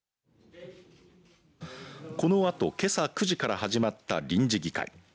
このあと、けさ９時から始まった臨時議会。